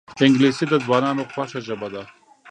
انګلیسي د ځوانانو خوښه ژبه ده